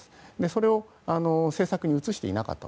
それを政策に移していなかった。